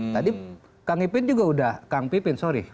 tadi kang ipin juga sudah kang pipin sorry